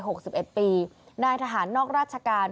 หกสิบเอ็ดปีนายทหารนอกราชการ